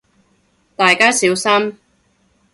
大家小心